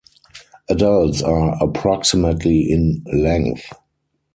Adults are approximately in length.